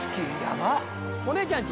お姉ちゃんち？